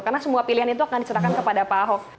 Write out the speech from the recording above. karena semua pilihan itu akan diserahkan kepada pak ahok